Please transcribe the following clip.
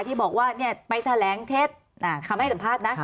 ที่บอกว่าไปแถลงเท็จคำให้สัมภาษณ์นะ